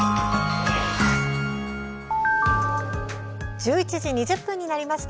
１１時２０分になりました。